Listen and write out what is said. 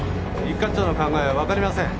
一課長の考えはわかりません。